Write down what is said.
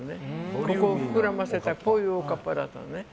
ここを膨らませたこういうおかっぱだったのね。